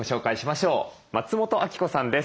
松本明子さんです。